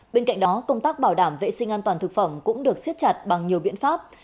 bên cạnh đó công tác bảo đảm vệ sinh an toàn thực phẩm cũng được siết chặt bằng nhiều biện pháp